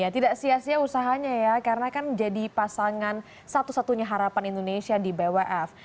tidak sia sia usahanya ya karena kan menjadi pasangan satu satunya harapan indonesia di bwf